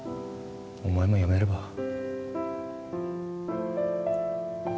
お前もやめれば？